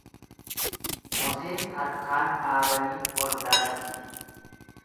Mosee harkaan dhaabanii hordaa cabsiti.